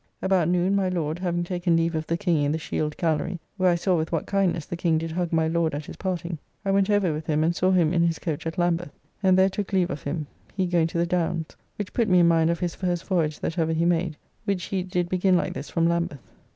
About noon my Lord, having taken leave of the King in the Shield Gallery (where I saw with what kindness the King did hug my Lord at his parting), I went over with him and saw him in his coach at Lambeth, and there took leave of him, he going to the Downs, which put me in mind of his first voyage that ever he made, which he did begin like this from Lambeth.